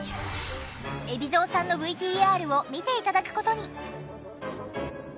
海老蔵さんのＶＴＲを見て頂く事に。